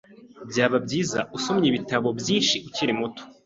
Byaba byiza usomye ibitabo byinshi ukiri muto.